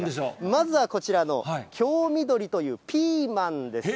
まずはこちらの京みどりというピーマンです。